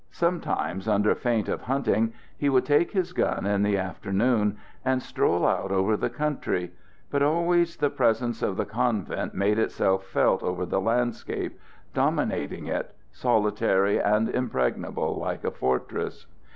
Sometimes, under feint of hunting, he would take his gun in the afternoon and stroll out over the country; but always the presence of the convent made itself felt over the landscape, dominating it, solitary and impregnable, like a fortress.